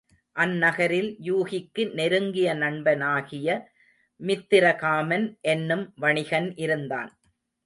அந்நகரில் யூகிக்கு நெருங்கிய நண்பனாகிய மித்திரகாமன் என்னும் வணிகன் இருந்தான்.